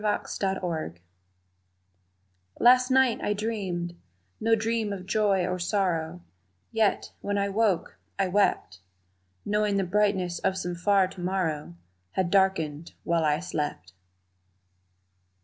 Premonition LAST night I dreamed No dream of joy or sorrow, Yet, when I woke, I wept, Knowing the brightness of some far to morrow Had darkened while I slept!